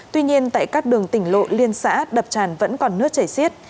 tuy nhiên tại các đường tỉnh lộ liên xã đập tràn vẫn còn nước chảy xiết